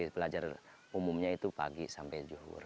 belajar umumnya itu pagi sampai juhur